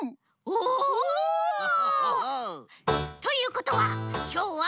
おお！ということはきょうは。